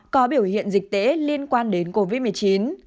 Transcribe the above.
có biểu hiện dịch tễ liên quan đến covid một mươi chín